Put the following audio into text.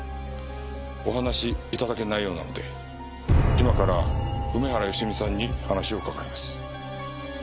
お話し頂けないようなので今から梅原芳美さんに話を伺います。